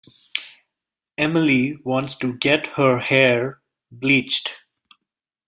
Emily wants to get her hair bleached.